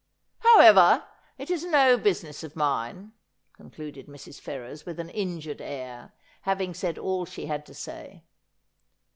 However, it is no business of mine,' concluded Mrs. Ferrers with an injured air, having said all she had to say.